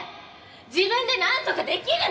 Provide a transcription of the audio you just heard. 自分でなんとか出来るの？